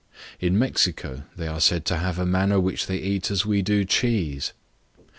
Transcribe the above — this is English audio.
In Mexico, they are said to have a manna which they eat as we do cheese.